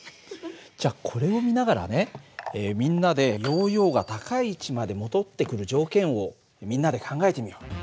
じゃこれを見ながらねみんなでヨーヨーが高い位置まで戻ってくる条件をみんなで考えてみよう。